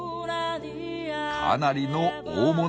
かなりの大物。